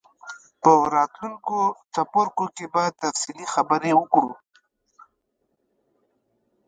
په راتلونکو څپرکو کې به تفصیلي خبرې وکړو.